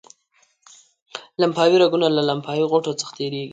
لمفاوي رګونه له لمفاوي غوټو څخه تیریږي.